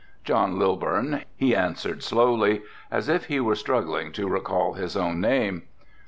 "John Lilburn," he answered slowly, as if he were struggling to recall his own name.